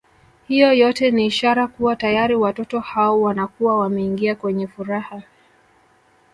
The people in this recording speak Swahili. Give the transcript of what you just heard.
Hiyo yote ni ishara kuwa tayari watoto hao wanakuwa wameingia kwenye furaha